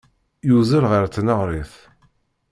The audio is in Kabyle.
Yuzzel ɣer tneɣrit.